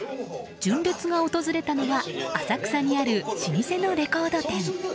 純烈が訪れたのは浅草にある老舗のレコード店。